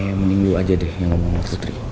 saya mending lo aja deh yang ngomong sama putri